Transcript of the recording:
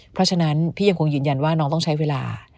เพราะฉะนั้นพี่ยังคงยืนยันว่าน้องต้องใช้เวลา